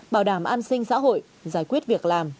bảo đảm an sinh xã hội giải quyết việc làm